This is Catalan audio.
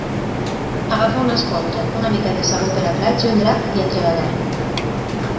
Agafa una esponja, una mica de sabó per a plats i un drap, i a treballar!